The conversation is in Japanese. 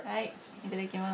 いただきます。